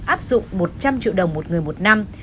áp dụng một trăm linh triệu đồng một người một năm